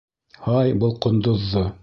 Һай, был ҡондоҙҙо!